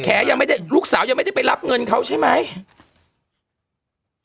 ยังไม่ได้ลูกสาวยังไม่ได้ไปรับเงินเขาใช่ไหม